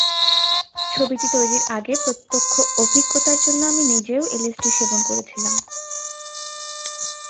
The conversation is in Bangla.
ছবিটি তৈরির আগে প্রত্যক্ষ অভিজ্ঞতার জন্য আমি নিজেও এলএসডি সেবন করেছিলাম।